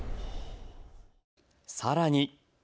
さらに。